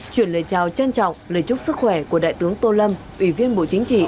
chuyển lời chào trân trọng lời chúc sức khỏe của đại tướng tô lâm ủy viên bộ chính trị